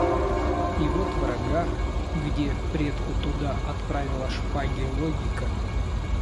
И вот врага, где предку туда отправила шпаги логика.